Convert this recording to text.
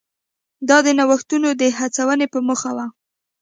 دا د نوښتونو د هڅونې په موخه و.